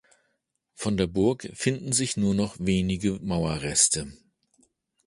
Von der Burg finden sich nur noch wenige Mauerreste.